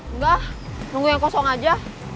enggak nunggu yang kosong aja